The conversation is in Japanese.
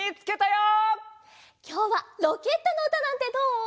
きょうはロケットのうたなんてどう？